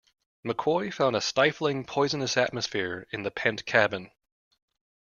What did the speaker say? McCoy found a stifling, poisonous atmosphere in the pent cabin.